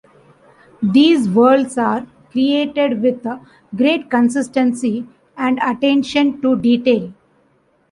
These worlds are created with great consistency and attention to detail.